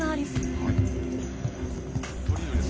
はい。